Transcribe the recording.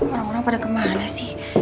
orang orang pada kemana sih